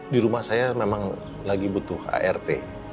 di rumah saya memang lagi butuh art